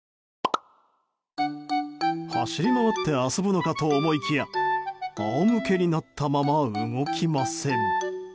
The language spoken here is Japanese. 走り回って遊ぶのかと思いきや仰向けになったまま動きません。